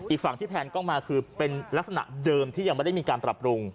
อีกฝั่งที่แพนกล้องมาคือเป็นลักษณะเดิมที่ยังไม่ได้มีการปรับปรุง